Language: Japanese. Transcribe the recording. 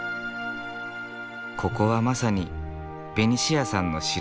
ここはまさにベニシアさんの城。